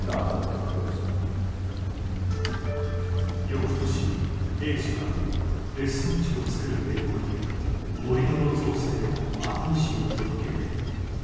翌年Ａ氏は別荘地を造る名目で盛り土の造成を熱海市に届け出る。